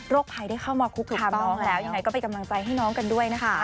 ภัยได้เข้ามาคุกคามน้องแล้วยังไงก็เป็นกำลังใจให้น้องกันด้วยนะคะ